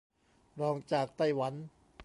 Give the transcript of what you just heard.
รองจากไต้หวัน